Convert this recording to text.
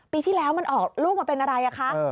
ปีที่แล้วมันออกลูกมาเป็นอะไรคะ